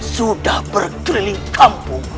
sudah bergeriling kampung